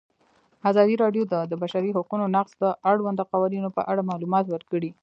ازادي راډیو د د بشري حقونو نقض د اړونده قوانینو په اړه معلومات ورکړي.